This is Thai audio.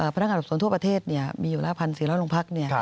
พนักอาทิตย์ส่วนทั่วประเทศมีอยู่ละ๑๔๐๐ลงพักษมณ์